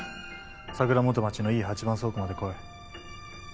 桜元町のＥ８番倉庫まで来い。